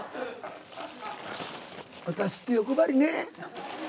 私って欲張りね。